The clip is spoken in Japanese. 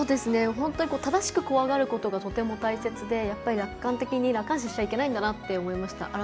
本当に正しく怖がることがとても大切で、やっぱり楽観視しちゃいけないんだなって思いました。